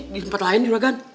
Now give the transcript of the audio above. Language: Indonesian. di tempat lain juragan